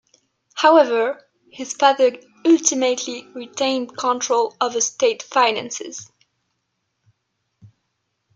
However, his father ultimately retained control over state finances.